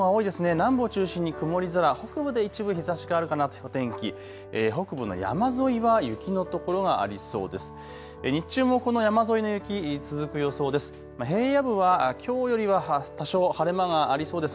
南部を中心に曇り空、北部で一部日ざしがあるかなという天気、北部の山沿いは雪の所がありそうです。